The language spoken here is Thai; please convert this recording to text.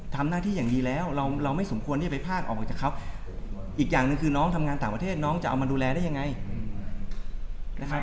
ทำหน้าที่อย่างดีแล้วเราไม่สมควรที่จะไปพากออกมาจากเขาอีกอย่างหนึ่งคือน้องทำงานต่างประเทศน้องจะเอามาดูแลได้ยังไงนะครับ